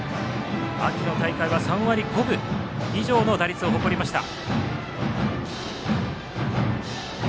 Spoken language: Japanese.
秋の大会は３割５分以上の打率を誇りました。